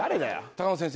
高野先生